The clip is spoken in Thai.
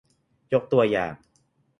ยกตัวอย่าง